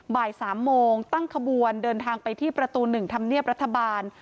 บ่าย๓โมงตั้งขบวนเดินทางไปที่ประตู๑ธรรมเนียบรัฐบาล